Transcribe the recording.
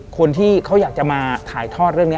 คนที่เขาอยากจะมาถ่ายทอดเรื่องนี้